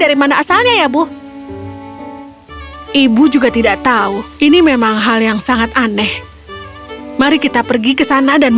ibu dan kedua putrinya berkata